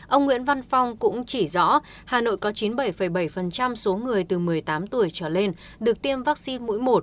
ông nguyễn văn phong cũng chỉ rõ hà nội có chín mươi bảy bảy số người từ một mươi tám tuổi trở lên được tiêm vaccine mũi một